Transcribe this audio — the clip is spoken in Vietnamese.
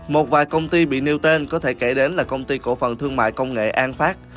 một vài công ty bị nêu tên có thể kể đến là công ty cổ phần thương mại công nghệ an phát